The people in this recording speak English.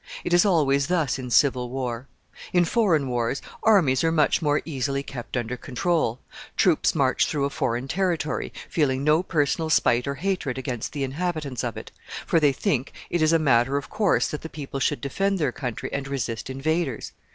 It is always thus in civil war. In foreign wars, armies are much more easily kept under control. Troops march through a foreign territory, feeling no personal spite or hatred against the inhabitants of it, for they think it is a matter of course that the people should defend their country and resist invaders.